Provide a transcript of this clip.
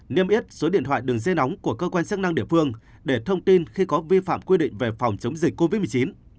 niêm yết số điện thoại đường dây nóng của cơ quan chức năng địa phương để thông tin khi có vi phạm quy định về phòng chống dịch covid một mươi chín